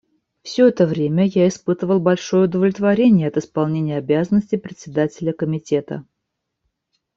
Все это время я испытывал большое удовлетворение от исполнения обязанностей Председателя Комитета.